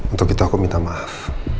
untuk itu aku minta maaf